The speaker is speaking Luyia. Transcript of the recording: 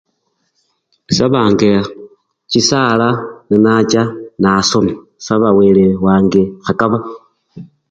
Isabanga chisaala nenacha nakona, isabanga wele wange khakaba.